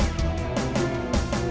ini harga yang sama